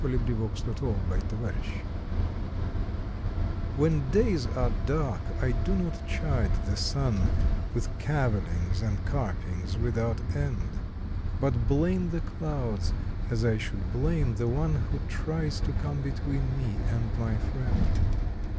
February Fourth THE SURE SUN "I/VTHEN days are dark I do not chide the sun With cavilings and carpings without end; But blame the clouds as I should blame the one Who tries to come between me and my friend.